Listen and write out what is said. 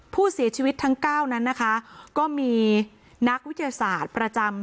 ผู้เสียชีวิตทั้งเก้านั้นนะคะก็มีนักวิทยาศาสตร์ประจำ